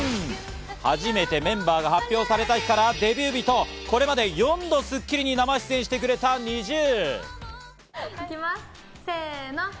初めてメンバーが発表された日からデビュー日と、これまで４度『スッキリ』に生出演してくれたＮｉｚｉＵ。